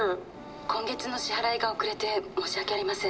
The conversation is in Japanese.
「今月の支払いが遅れて申し訳ありません」